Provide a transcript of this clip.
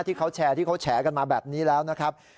ที่เขาแชร์ที่เขาแฉกันมาแบบนี้แล้วนะครับ